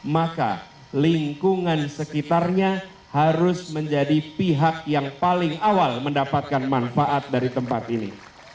maka lingkungan sekitarnya harus menjadi pihak yang paling awal mendapatkan manfaat dari tempat ini